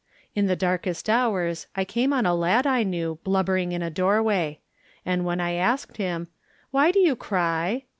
In the darkest hours I came on a lad I knew blubbering in a doorway. And when I asked him, "Why do you cry?"